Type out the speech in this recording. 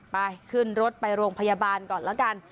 ไปขึ้นรถไปโรงพยาบาลก่อนแล้วกัน